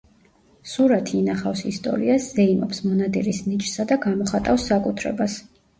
სურათი ინახავს ისტორიას, ზეიმობს მონადირის ნიჭსა და გამოხატავს საკუთრებას.